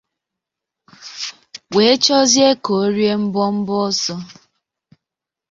wee chọzie ka o rie mbọmbọ ọsọ